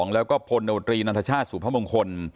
แล้วก็พลนัฐชาสุพมงคล